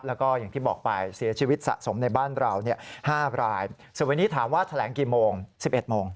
แล้วก็อย่างที่บอกไปเสียชีวิตสะสมในบ้านเรา๕รายส่วนวันนี้ถามว่าแถลงกี่โมง๑๑โมง